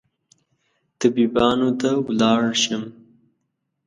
طبيبانو ته ولاړ شم